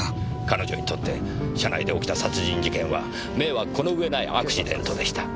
彼女にとって車内で起きた殺人事件は迷惑この上ないアクシデントでした。